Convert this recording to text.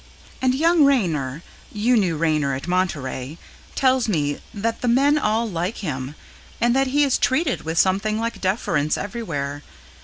And young Raynor you knew Raynor at Monterey tells me that the men all like him, and that he is treated with something like deference everywhere.